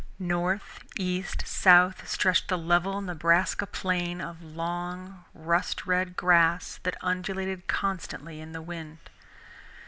North, east, south, stretched the level Nebraska plain of long rust red grass that undulated constantly in the wind.